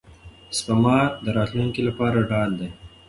سپما د راتلونکي لپاره ډال دی.